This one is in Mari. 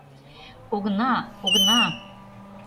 — Огына, огына!